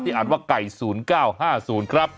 อ่านว่าไก่๐๙๕๐ครับ